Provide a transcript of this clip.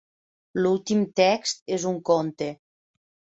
L'últim text és un conte.